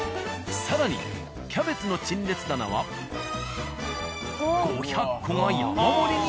更にキャベツの陳列棚は５００個が山盛りに。